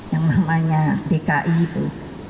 yang namanya dki itu